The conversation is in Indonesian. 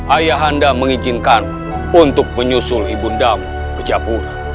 ayahanda mengizinkan untuk menyusul ibu nda ratu ke japura